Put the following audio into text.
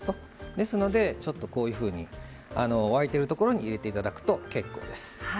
ですので、こういうふうに沸いているところに入れていただくと結構です。